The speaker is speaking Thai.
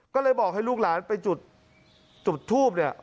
ก็เลยบอกให้ลูกหลานไปจุดทูบเนี่ย